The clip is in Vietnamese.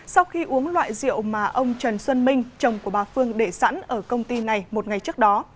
sau khi uống loại rượu mà ông trần xuân minh chồng của bà phương để sẵn ở công ty này một ngày trước đó